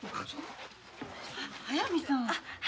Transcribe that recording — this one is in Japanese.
速水さんは？